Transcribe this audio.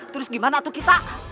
terus gimana tuh kita